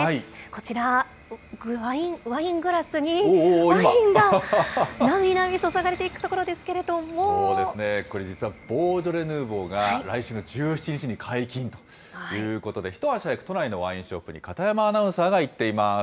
こちら、ワイングラスにワインがなみなみ、そうですね、これ、実はボージョレ・ヌーボーが来週の１７日に解禁ということで、一足早く、都内のワインショップに片山アナウンサーが行っています。